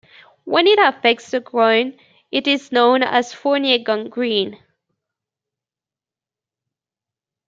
When it affects the groin it is known as Fournier gangrene.